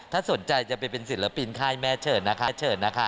ถ้าสนใจจะเป็นศิลปินใคร่แม่เฉินนะคะ